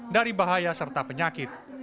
dari bahaya serta penyakit